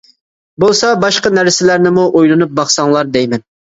بولسا باشقا نەرسىلەرنىمۇ ئويلىنىپ باقساڭلار دەيمەن.